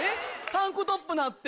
タンクトップなって。